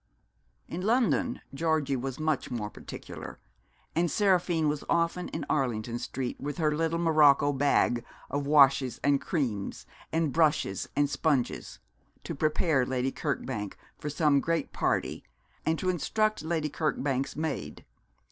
In London Georgie was much more particular; and Seraphine was often in Arlington Street with her little morocco bag of washes and creams, and brushes and sponges, to prepare Lady Kirkbank for some great party, and to instruct Lady Kirkbank's maid.